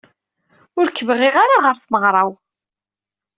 Ur k-bɣiɣ ara ɣer tmeɣra-w.